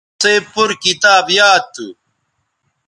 تِسئ پور کتاب یاد تھو